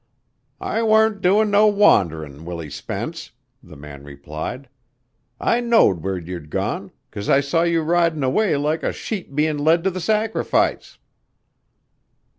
"I warn't doin' no wonderin', Willie Spence," the man replied. "I knowed where you'd gone 'cause I saw you ridin' away like a sheep bein' led to the sacrifice."